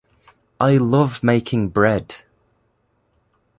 I love making bread.